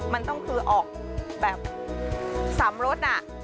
มันต้องคือออกแบบสำรส